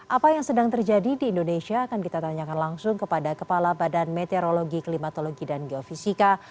apa yang sedang terjadi di indonesia akan kita tanyakan langsung kepada kepala badan meteorologi klimatologi dan geofisika